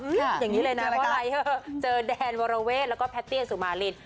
อย่างนี้เลยนะเพราะอะไรเจอแดนวรเวทแล้วก็แพตเตี้ยสุมาริน